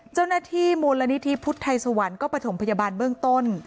เจ้าหน้าที่มูลนิธิพุทธไทยสวรรค์ก็ประถมพยาบาลเบื้องต้น